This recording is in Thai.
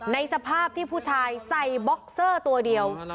ในสภาพที่ผู้ชายใส่บ็อกเซอร์ตัวเดียว